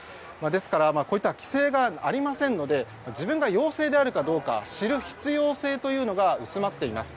ですからこういった規制がありませんので自分が陽性であるかどうか知る必要性が薄まっています。